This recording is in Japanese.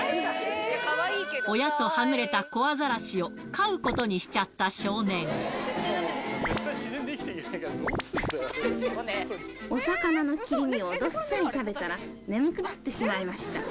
親とはぐれた子アザラシを飼お魚の切り身をどっさり食べたら、眠くなってしまいました。